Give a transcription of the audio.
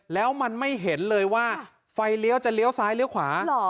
แล้วมันไม่เห็นเลยว่าไฟเลี้ยวจะเลี้ยวซ้ายเลี้ยวขวา